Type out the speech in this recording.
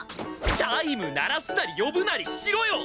チャイム鳴らすなり呼ぶなりしろよ！